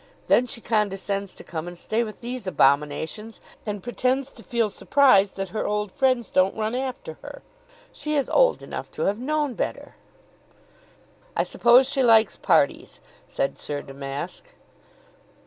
Then she condescends to come and stay with these abominations and pretends to feel surprised that her old friends don't run after her. She is old enough to have known better." "I suppose she likes parties," said Sir Damask.